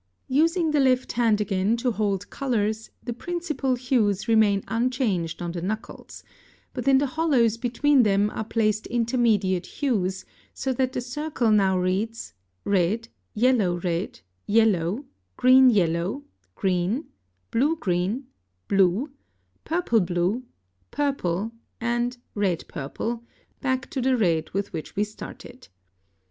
Using the left hand again to hold colors, the principal hues remain unchanged on the knuckles, but in the hollows between them are placed intermediate hues, so that the circle now reads: red, yellow red, yellow, green yellow, green, blue green, blue, purple blue, purple, and red purple, back to the red with which we started.